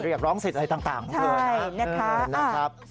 เรียกร้องสิทธิ์อะไรต่างนะครับ